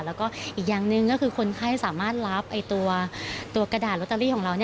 แล้วก็อีกอย่างหนึ่งก็คือคนไข้สามารถรับตัวกระดาษลอตเตอรี่ของเรา